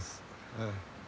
ええ。